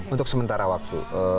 untuk sementara waktu